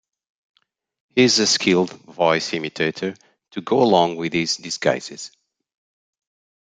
He is a skilled voice imitator to go along with his disguises.